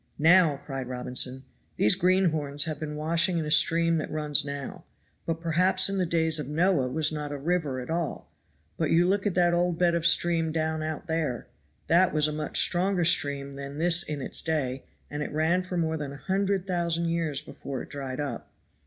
"Now," cried Robinson, "these greenhorns have been washing in a stream that runs now, but perhaps in the days of Noah was not a river at all; but you look at the old bed of a stream down out there. That was a much stronger stream than this in its day, and it ran for more than a hundred thousand years before it dried up."